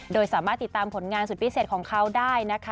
โดยสามารถติดตามผลงานสุดพิเศษของเขาได้นะคะ